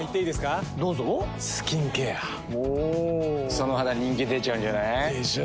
その肌人気出ちゃうんじゃない？でしょう。